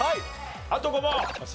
あと５問。